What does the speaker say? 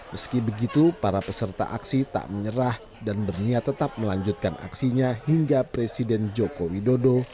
meski begitu para peserta aksi tak menyerah dan berniat tetap melanjutkan aksinya hingga presiden joko widodo